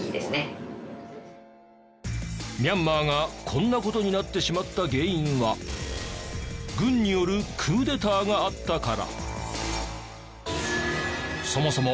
ミャンマーがこんな事になってしまった原因は軍によるクーデターがあったから。